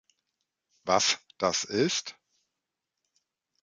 Was das ist?